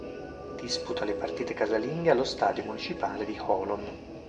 Disputa le partite casalinghe allo Stadio municipale di Holon.